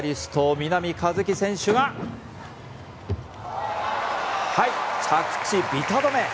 南一輝選手が着地びた止め。